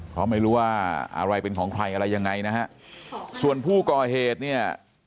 เพราะไม่รู้ว่าอะไรเป็นของใครอะไรยังไงนะฮะส่วนผู้ก่อเหตุเนี่ย